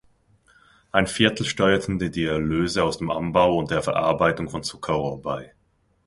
Ein Viertel steuerten die Erlöse aus dem Anbau und der Verarbeitung von Zuckerrohr bei.